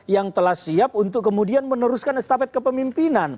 yang telah siap untuk kemudian meneruskan estafet kepemimpinan